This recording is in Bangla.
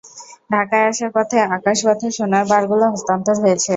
ঢাকায় আসার পথে আকাশপথে সোনার বারগুলো হস্তান্তর হয়েছে।